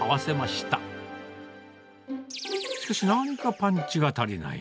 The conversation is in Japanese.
しかしなんかパンチが足りない。